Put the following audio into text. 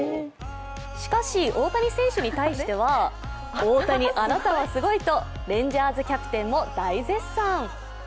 しかし、大谷選手に対しては、大谷あなたはすごいとレンジャーズキャプテンも大絶賛。